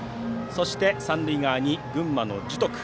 そして、三塁側に群馬の樹徳。